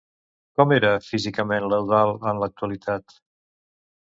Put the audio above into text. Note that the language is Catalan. Com era físicament l'Eudald en l'actualitat?